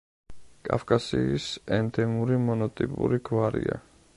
კავკასიის ენდემური მონოტიპური გვარია.